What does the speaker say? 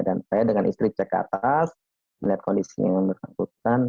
dan saya dengan istri cek ke atas melihat kondisinya